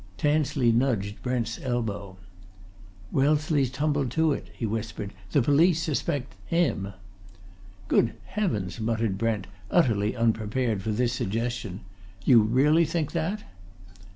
Tansley nudged Brent's elbow. "Wellesley's tumbled to it!" he whispered. "The police suspect him!" "Good heavens!" muttered Brent, utterly unprepared for this suggestion. "You really think that?"